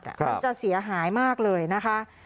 มันจะเสียหายมากเลยนะคะ